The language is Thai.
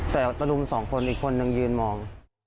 แต่ตะลุมสองคนอีกคนนึงยืนมอง